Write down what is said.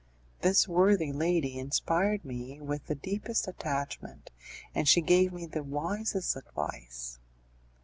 This worthy lady inspired me with the deepest attachment, and she gave me the wisest advice.